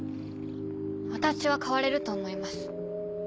私は変われると思います。